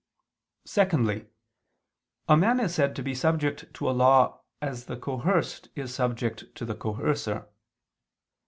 Secondly, a man is said to be subject to a law as the coerced is subject to the coercer.